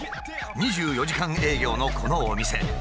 ２４時間営業のこのお店。